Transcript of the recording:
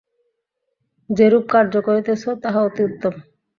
যেরূপ কার্য করিতেছ, তাহা অতি উত্তম।